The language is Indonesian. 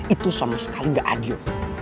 itu sama sekali tidak adil